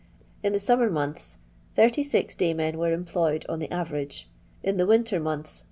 In the sommer months 86 daymen were employed on the average; in the wioter months, 46.